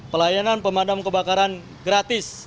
pelayanan pemadam kebakaran gratis